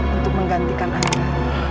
untuk menggantikan aida